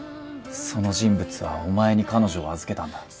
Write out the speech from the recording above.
その人物はお前に彼女を預けたんだ。